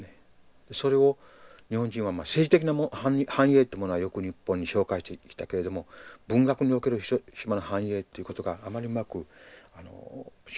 それを日本人は政治的な反映ってものはよく日本に紹介してきたけれども文学における広島の反映ってことがあまりうまく紹介されてこなかった。